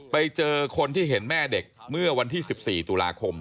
ไปเจอคนที่เห็นแม่เด็กเมื่อวันที่๑๔ตุลาคม